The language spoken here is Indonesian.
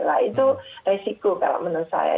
nah itu resiko kalau menurut saya